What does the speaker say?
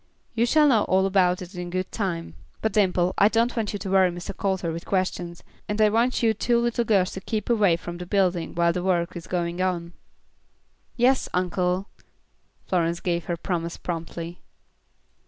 You shall know all about it in good time. But, Dimple, I don't want you to worry Mr. Coulter with questions, and I want you two little girls to keep away from the building while the work is going on." "Yes, uncle." Florence gave her promise promptly.